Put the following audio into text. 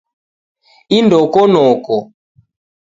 Indoko noko